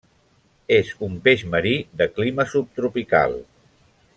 És un peix marí de clima subtropical.